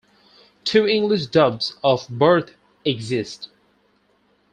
Two English dubs of "Birth" exist.